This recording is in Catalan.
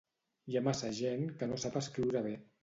Hi ha massa gent que no sap escriure bé.